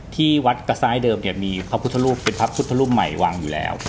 ที่วัดกระซ้ายเดิมเนี่ยมีพระพุทธรูปเป็นพระพุทธรูปใหม่วางอยู่แล้ว